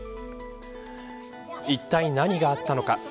いったい、何があったのか。